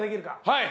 はい。